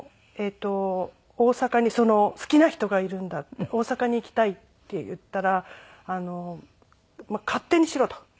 大阪に好きな人がいるんだって大阪に行きたいって言ったら勝手にしろと。